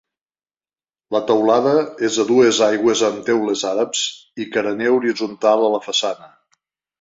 La teulada és a dues aigües amb teules àrabs i carener horitzontal a la façana.